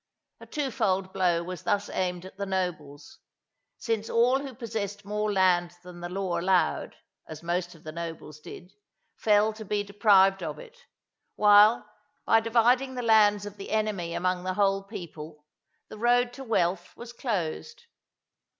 A twofold blow was thus aimed at the nobles; since all who possessed more land than the law allowed, as most of the nobles did, fell to be deprived of it; while by dividing the lands of the enemy among the whole people, the road to wealth was closed.